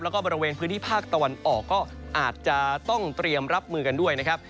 แล้วก็บริเวณพื้นที่ภาคตะวันออกก็อาจจะต้องเตรียมรับมือกันด้วยนะครับ